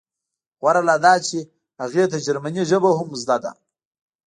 غوره لا دا چې هغې ته جرمني ژبه هم زده ده